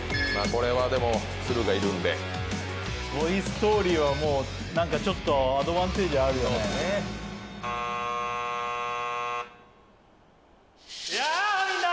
これはでも都留がいるんで「トイ・ストーリー」はもうちょっとアドバンテージあるよねやあみんな！